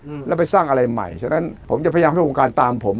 อืมแล้วไปสร้างอะไรใหม่ฉะนั้นผมจะพยายามให้วงการตามผม